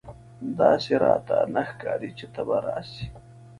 داسي راته نه ښکاري چې ته به راسې !